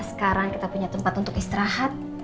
sekarang kita punya tempat untuk istirahat